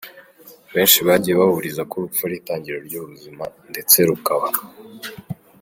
Benshi bagiye bahuriza ko urupfu ari itangiriro ry’ubuzima ndetse rukaba.